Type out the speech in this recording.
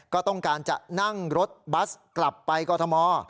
ก็ต้องการจะนั่งรถบัสกลับไปกรทม